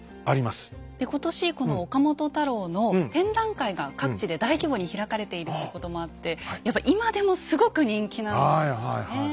で今年この岡本太郎の展覧会が各地で大規模に開かれているということもあってやっぱり今でもすごく人気なんですよねえ。